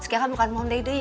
sekarang bukan mondi deh